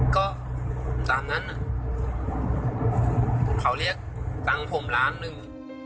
ก็ตามนั้นเขาเรียกตังค์ผมล้านหนึ่ง